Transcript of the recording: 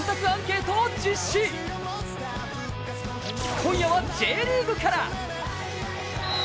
今夜はＪリーグから。